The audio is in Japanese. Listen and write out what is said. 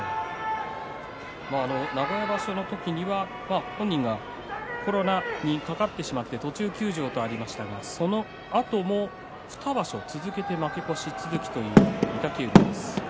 名古屋場所の時には本人がコロナにかかってしまって途中休場とありましたがそのあとも２場所続けて負け越し続きという御嶽海です。